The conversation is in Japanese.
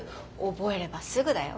覚えればすぐだよ。